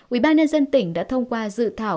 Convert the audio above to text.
ubnd tỉnh đã thông qua dự thảo